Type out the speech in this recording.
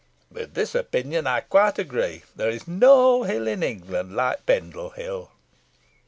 With this opinion I quite agree. There is no hill in England like Pendle Hill."